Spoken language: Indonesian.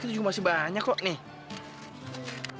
itu juga masih banyak kok nih